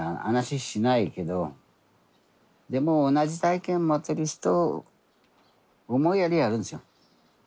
話しないけどでも同じ体験持ってる人思いやりがあるんですよ。